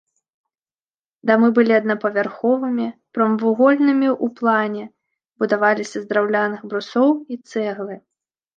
Дамы былі аднапавярховымі, прамавугольнымі ў плане, будаваліся з драўляных брусоў і цэглы.